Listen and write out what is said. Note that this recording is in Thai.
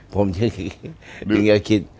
ผมยังคิด